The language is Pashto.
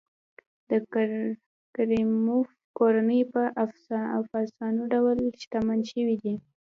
د کریموف کورنۍ په افسانوي ډول شتمن شوي دي.